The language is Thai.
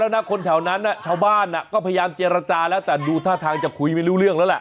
นะคนแถวนั้นชาวบ้านก็พยายามเจรจาแล้วแต่ดูท่าทางจะคุยไม่รู้เรื่องแล้วแหละ